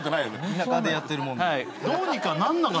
田舎でやってるもんで。